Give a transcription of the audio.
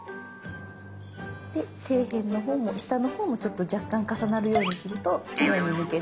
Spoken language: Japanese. で底辺のほうも下のほうもちょっと若干重なるように切るときれいに抜ける。